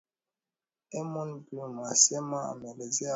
Eamon Gilmore alisema ameelezea wasi-wasi wa umoja huo.